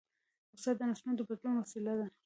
استاد د نسلونو د بدلون وسیله ده.